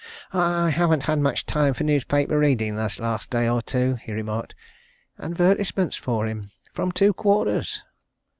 "I haven't had much time for newspaper reading this last day or two," he remarked. "Advertisements for him from two quarters!"